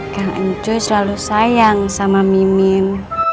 kak nenco selalu sayang sama mimin